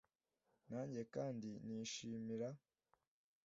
nanjye kandi nishimira